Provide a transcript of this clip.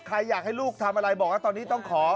อยากให้ลูกทำอะไรบอกว่าตอนนี้ต้องขอ